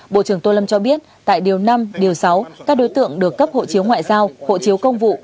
bộ trưởng tô lâm cho biết tại điều năm điều sáu các đối tượng được cấp hộ chiếu ngoại giao hộ chiếu công vụ